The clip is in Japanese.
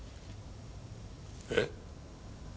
えっ？